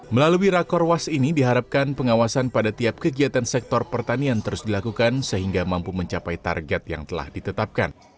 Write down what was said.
melalui rakorwas ini diharapkan pengawasan pada tiap kegiatan sektor pertanian terus dilakukan sehingga mampu mencapai target yang telah ditetapkan